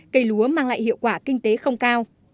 cây lúa mang lại hiệu quả kinh tế không cao